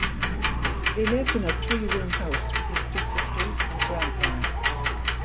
They lived in a three-room house with his two sisters and grandparents.